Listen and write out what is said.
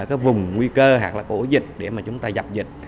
ở vùng nguy cơ hoặc là của ổ dịch để mà chúng ta dập dịch